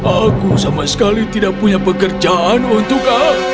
aku sama sekali tidak punya pekerjaan untuk